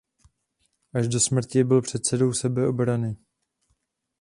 Až do smrti byl předsedou Sebeobrany.